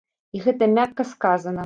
І гэта мякка сказана.